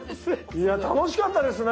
いや楽しかったですね。